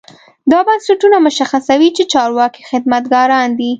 دا بنسټونه مشخصوي چې چارواکي خدمتګاران دي.